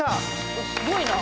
おっすごいな。